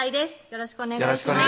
よろしくお願いします